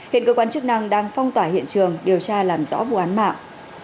hiện cơ quan chức năng đang phong tỏa hiện trường điều tra làm rõ vụ án mạng